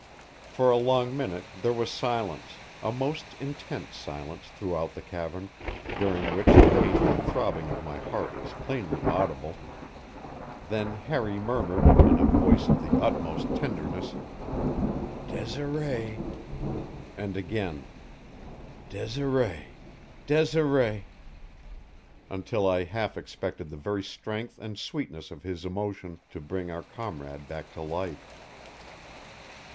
For a long minute there was silence a most intense silence throughout the cavern, during which the painful throbbing of my heart was plainly audible; then Harry murmured, in a voice of the utmost tenderness: "Desiree!" And again, "Desiree! Desiree!" until I half expected the very strength and sweetness of his emotion to bring our comrade back to life.